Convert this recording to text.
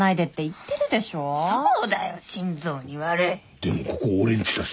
でもここ俺んちだし。